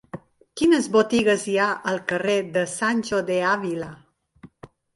Quines botigues hi ha al carrer de Sancho de Ávila?